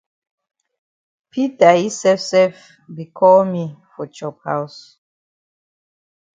Peter yi sef sef be call me for chop haus.